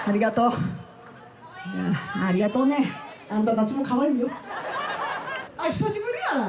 ありがとうねあんたたちもかわいいよあっ久しぶりやな！